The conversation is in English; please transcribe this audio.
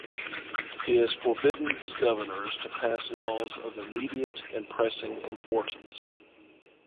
He has forbidden his Governors to pass Laws of immediate and pressing importance